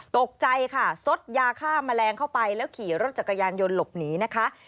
ตกใจค่ะซดยาฆ่าแมลงเข้าไปแล้วขี่รถจักรยานยนต์หลบหนีนะคะ